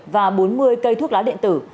và bốn mươi cây thuốc lá điện tử